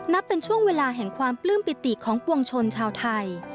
เป็นช่วงเวลาแห่งความปลื้มปิติของปวงชนชาวไทย